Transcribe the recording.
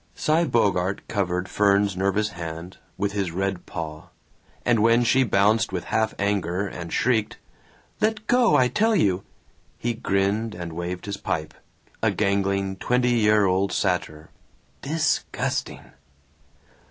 Cy Bogart covered Fern's nervous hand with his red paw, and when she bounced with half anger and shrieked, "Let go, I tell you!" he grinned and waved his pipe a gangling twenty year old satyr. "Disgusting!"